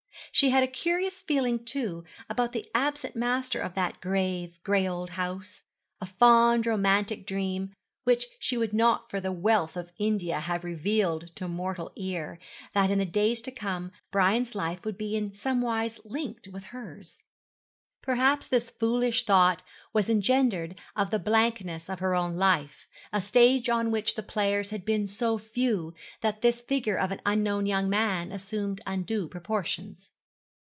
She had a curious feeling, too, about the absent master of that grave, gray old house a fond, romantic dream, which she would not for the wealth of India have revealed to mortal ear, that in the days to come Brian's life would be in somewise linked with hers. Perhaps this foolish thought was engendered of the blankness of her own life, a stage on which the players had been so few that this figure of an unknown young man assumed undue proportions.